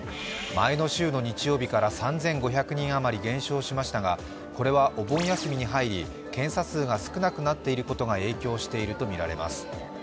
前の週の日曜日から３５００人余り減少しましたがこれはお盆休みに入り、検査数が少なくなっていることが影響しているとみられます。